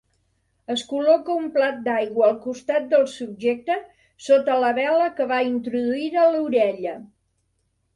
Es col·loca un plat d'aigua al costat del subjecte sota la vela que va introduïda a l'orella.